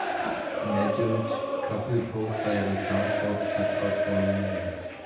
An adult couple pose by a cardboard cut out for a movie.